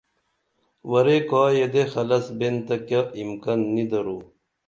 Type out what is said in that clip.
ورے کا یدے خلص بین تہ کیہ اِمکن نی درو